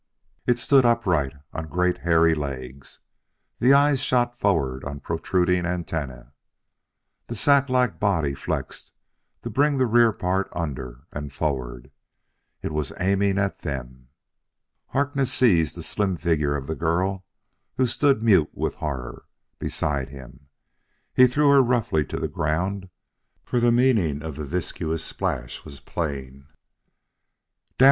It stood upright on great hairy legs. The eyes shot forward on protruding antennae. The sack like body flexed to bring the rear part under and forward. It was aiming at them. Harkness seized the slim figure of the girl who stood, mute with horror, beside him. He threw her roughly to the ground, for the meaning of the viscous splash was plain. "Down!"